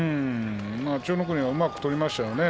千代の国うまく取りましたよね